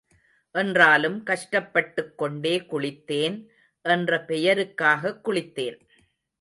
என்றாலும் கஷ்டப்பட்டுக் கொண்டே, குளித்தேன், என்ற பெயருக்காகக் குளித்தான்.